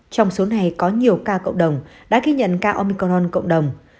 trong số này có nhiều ca cộng đồng đã ghi nhận ca omicron cộng đồng